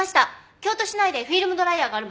京都市内でフィルムドライヤーがある場所。